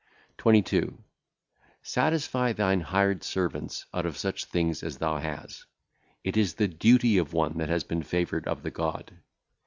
22. Satisfy thine hired servants out of such things as thou hast; it is the duty of one that hath been favoured of the God.